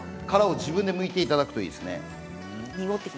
殻をご自分でむいていただくといいですね。